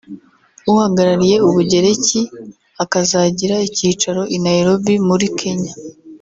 uhagarariye Ubugereki akazagira icyicaro i Nairobi muri Kenya